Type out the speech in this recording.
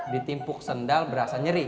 ditimpuk sendal berasa nyeri